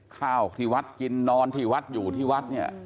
ข้าวที่วัดกินนอนที่วัดอยู่ที่วัดเนี่ย